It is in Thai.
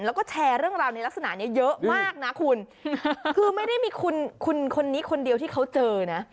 แล้วก็แชร์เรื่องราวในลักษณะนี้เยอะมากนะคุณคือไม่ได้มีคุณคุณคนนี้คนเดียวที่เขาเจอนะ